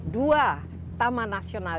dua taman nasional